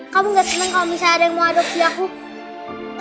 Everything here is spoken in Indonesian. kamu gak seneng kalau misalnya ada yang mau adopsi yahuku